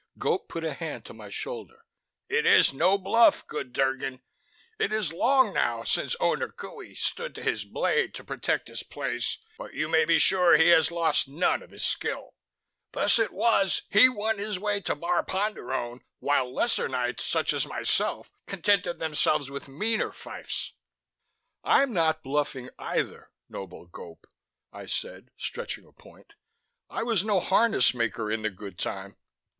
Gope put a hand on my shoulder. "It is no bluff, good Drgon. It is long now since last Owner Qohey stood to his blade to protect his place, but you may be sure he has lost none of his skill. Thus it was he won his way to Bar Ponderone, while lesser knights, such as myself, contented themselves with meaner fiefs." "I'm not bluffing either, noble Gope," I said, stretching a point. "I was no harness maker in the Good Time."